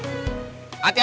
ini kali kedua